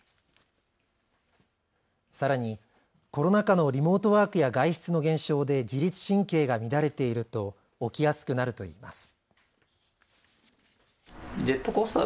さらにコロナ禍のリモートワークや外出の減少で自律神経が乱れていると起きやすくなるといいます。